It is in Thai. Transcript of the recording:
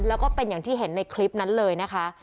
แล้วก็เป็นอย่างที่เห็นในคลิปนั้นเลยนะคะ